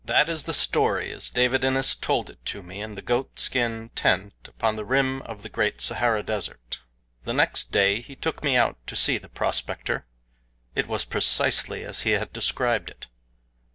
That is the story as David Innes told it to me in the goat skin tent upon the rim of the great Sahara Desert. The next day he took me out to see the prospector it was precisely as he had described it.